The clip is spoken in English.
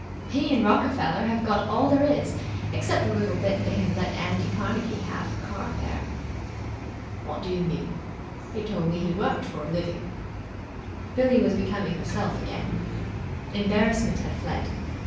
He and Rockefeller have got all there is, except the little bit they have let Andy Carnegie have for car fare." "What do you mean? He told me he worked for a living." Billie was becoming herself again. Embarrassment had fled.